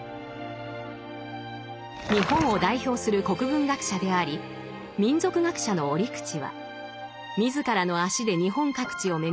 日本を代表する国文学者であり民俗学者の折口は自らの足で日本各地を巡り